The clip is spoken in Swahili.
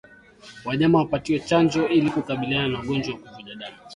Wanyama wapatiwe chanjo ili kukabiliana na ugonjwa wa kuvuja damu